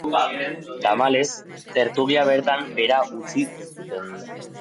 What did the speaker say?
Tamalez, tertulia bertan behera utzi zuten.